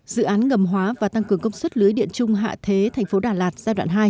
dự án ngầm hóa và tăng cường công suất lưới điện chung hạ thế thành phố đà lạt giai đoạn hai